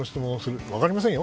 分かりませんよ